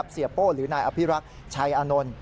เสียโป้หรือนายอภิรักษ์ชัยอานนท์